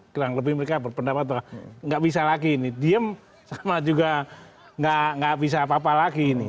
kurang lebih mereka berpendapat bahwa nggak bisa lagi ini diem sama juga nggak bisa apa apa lagi ini